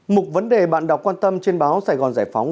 một vấn đề bạn đọc quan tâm trên báo sài gòn giải phóng